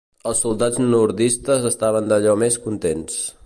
Els soldats nordistes estaven d'allò més contents.